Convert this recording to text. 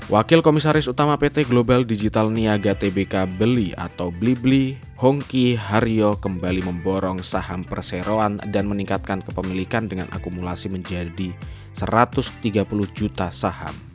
wakil komisaris utama pt global digital niaga tbk beli atau blibli hongki haryo kembali memborong saham perseroan dan meningkatkan kepemilikan dengan akumulasi menjadi satu ratus tiga puluh juta saham